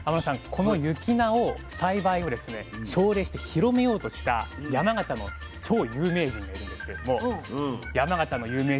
この雪菜を栽培をですね奨励して広めようとした山形の超有名人がいるんですけれども山形の有名人といいますと？